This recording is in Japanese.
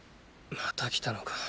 また来たのか？